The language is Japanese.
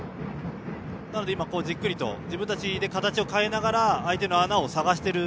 なので今、じっくりと自分たちで形を変えながら相手の穴を探している。